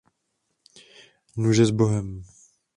Nuže s Bohem!